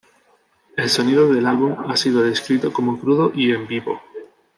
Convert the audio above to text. El sonido del álbum ha sido descrito como "crudo" y "en vivo".